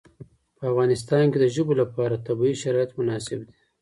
په افغانستان کې د ژبو لپاره طبیعي شرایط مناسب دي.